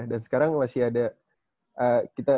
dan sekarang masih ada